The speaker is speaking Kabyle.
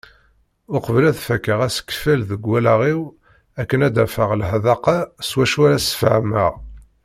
Uqbel ad fakkeɣ asekfel deg wallaɣ-iw akken ad d-afeɣ leḥdaqa s wacu ara as-sfehmeɣ.